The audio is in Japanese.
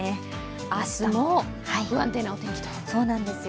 明日も不安定なお天気と。